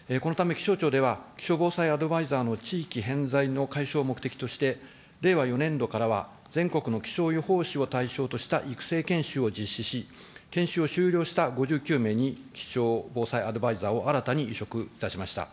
このため気象庁では、気象防災アドバイザーの地域偏在の解消を目的として、令和４年度からは、全国の気象予報士を対象とした育成研修を実施し、研修を修了した５９名に気象防災アドバイザーを新たに委嘱いたしました。